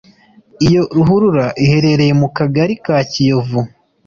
Iyo ruhurura iherereye mu Kagali ka Kiyovu